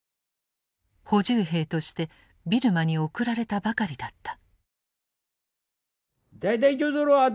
補充兵としてビルマに送られたばかりだった。